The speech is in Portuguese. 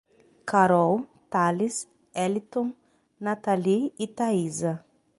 Carol, Thales, Eliton, Natali e Taísa